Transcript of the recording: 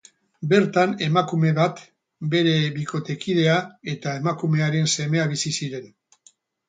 Bertan emakume bat, bere bikotekidea eta emakumearen semea bizi ziren.